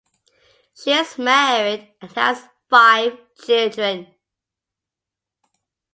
She is married and has five children.